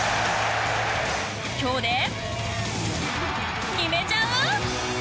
今日で決めちゃう？